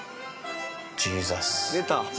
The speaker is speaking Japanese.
ジーザス。